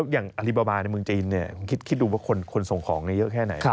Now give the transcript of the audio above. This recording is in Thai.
อย่างอลิบาบาในเมืองจีนคิดดูว่าคนส่งของเยอะแค่ไหน